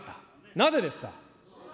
なぜですか。